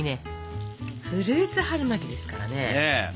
フルーツ春巻きですからね。